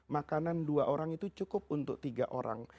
makanan dua orang itu cukup untuk tiga orang